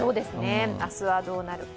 明日はどうなるか。